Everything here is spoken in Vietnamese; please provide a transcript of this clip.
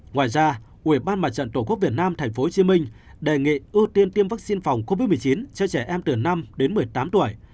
ngoài ra ủy ban mặt trận tổ quốc việt nam tp hcm đề nghị ưu tiên tiêm vaccine phòng covid một mươi chín cho trẻ em từ năm đến một mươi tám tuổi